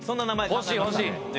欲しい欲しい。